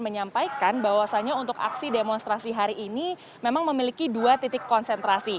menyampaikan bahwasannya untuk aksi demonstrasi hari ini memang memiliki dua titik konsentrasi